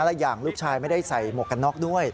และอย่างลูกชายไม่ได้ใส่หมวกกันน็อกด้วย